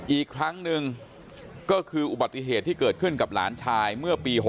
อีกครั้งหนึ่งก็คืออุบัติเหตุที่เกิดขึ้นกับหลานชายเมื่อปี๖๐